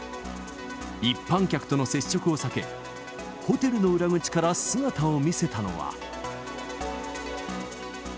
一般客との接触を避け、ホテルの裏口から姿を見せたのは。